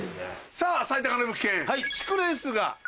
さぁ最高値物件。